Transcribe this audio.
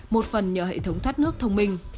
một phần nhờ hệ thống thoát nước thông minh